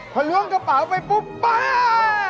พอล้วงกระเป๋าไปปุ๊บป้า